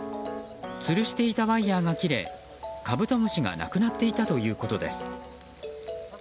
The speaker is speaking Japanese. つるしていたワイヤが切れカブトムシがなくなっていたということです。